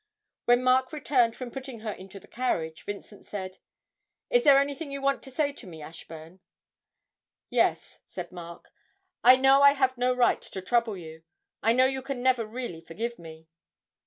When Mark returned from putting her into the carriage, Vincent said, 'Is there anything you want to say to me, Ashburn?' 'Yes,' said Mark; 'I know I have no right to trouble you. I know you can never really forgive me.'